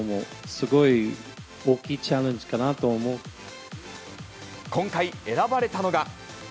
すごい大きいチャレンジかなと思今回、選ばれたのが。